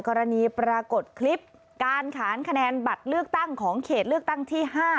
ปรากฏคลิปการขานคะแนนบัตรเลือกตั้งของเขตเลือกตั้งที่๕